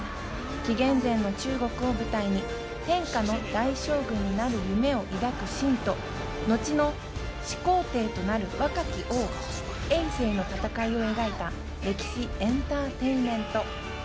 紀元前の中国を舞台に天下の大将軍になる夢を抱く信と後の始皇帝となる若き王・エイ政の戦いを描いた歴史エンターテインメント。